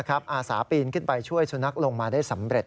อาสาปีนขึ้นไปช่วยสุนัขลงมาได้สำเร็จ